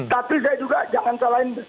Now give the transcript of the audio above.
tapi saya juga jangan salahin